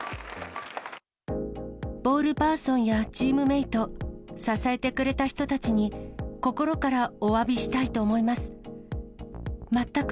ボールパーソンやチームメート、支えてくれた人たちに、心からおわびしたいと思います。